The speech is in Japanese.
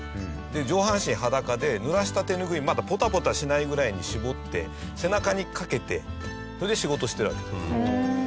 上半身裸で濡らした手ぬぐいポタポタしないぐらいに絞って背中にかけてそれで仕事してるわけです。